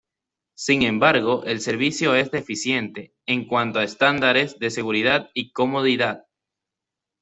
Sin embargo el servicio es deficiente en cuanto a estándares de seguridad y comodidad.